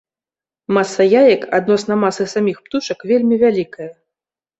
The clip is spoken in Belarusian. Маса яек адносна масы саміх птушак вельмі вялікая.